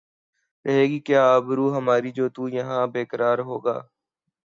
رہے گی کیا آبرو ہماری جو تو یہاں بے قرار ہوگا